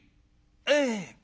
「ええ。